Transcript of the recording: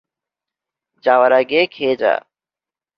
যাওয়ার আগে খেয়ে যা!